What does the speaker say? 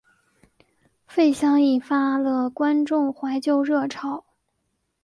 费翔引发了观众怀旧热潮。